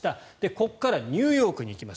ここからニューヨークに行きます。